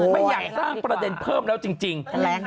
ไม่อยากสร้างประเด็นเพิ่มแล้วจริง